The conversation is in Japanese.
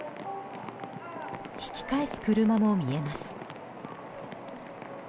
引き返す車も見えます。